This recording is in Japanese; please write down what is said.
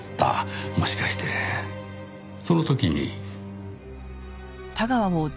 もしかしてその時に。